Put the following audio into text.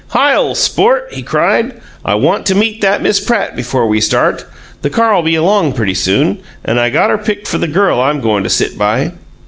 "Hi, ole sport!" he cried, "I want to meet that Miss Pratt before we start. The car'll be along pretty soon, and I got her picked for the girl I'm goin' to sit by."